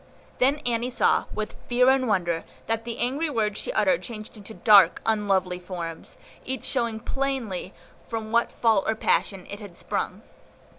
Then Annie saw, with fear and wonder, that the angry words she uttered changed to dark, unlovely forms, each showing plainly from what fault or passion it had sprung.